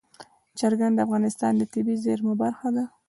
چرګان د افغانستان د طبیعي زیرمو برخه ده.